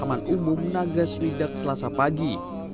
di tempat pemakaman umum naga suwidak selasa pagi